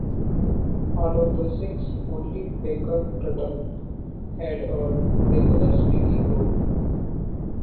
Out of those six, only Braker Turtle had a regular speaking role.